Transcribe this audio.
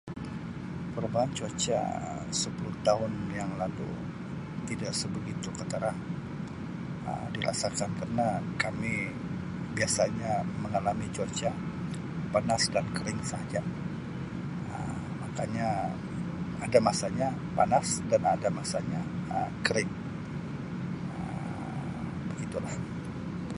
Perubahan cuaca Um sepuluh tahun yang lalu tidak sebegitu ketara Um dirasakan kerna kami biasanya mengalami cuaca panas dan kering sahaja Um makanya, ada masanya panas dan ada masanya Um kering. Um Begitulah.